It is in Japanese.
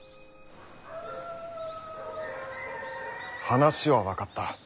話は分かった。